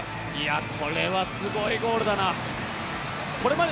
これはすごいゴールだな。